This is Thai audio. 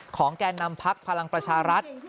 ของแก่นำพักภารังประชารัฐ